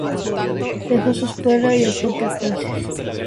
Dejó su escuela y optó por clases privadas debido a su carrera.